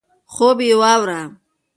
خوب یې واوره.